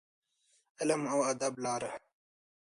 د علم او ادب لاره.